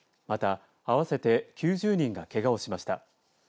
また、合わせて９０人がけがをしました。